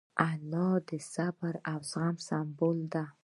انا د صبر او زغم سمبول ده